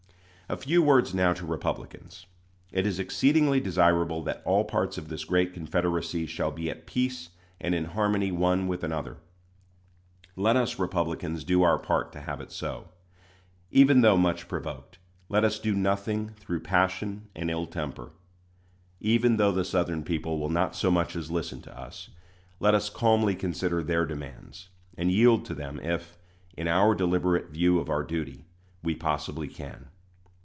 A few words now to Republicans. It is exceedingly desirable that all parts of this great Confederacy shall be at peace and in harmony one with another. Let us Republicans do our part to have it so. Even though much provoked, let us do nothing through passion and ill temper. Even though the Southern people will not so much as listen to us, let us calmly consider their demands, and yield to them if, in our deliberate view of our duty, we possibly can.